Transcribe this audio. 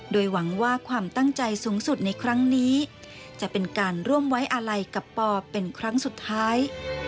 โดยหวังว่าความตั้งใจสูงสุดในครั้งนี้จะเป็นการร่วมไว้อาลัยกับปอเป็นครั้งสุดท้าย